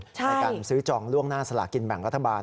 ในการซื้อจองล่วงหน้าสลากินแบ่งรัฐบาล